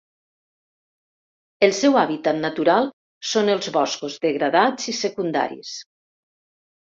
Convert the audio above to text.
El seu hàbitat natural són els boscos degradats i secundaris.